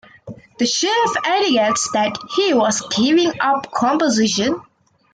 The shift indicates that he was giving up composition.